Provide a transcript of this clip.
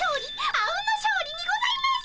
あうんの勝利にございます！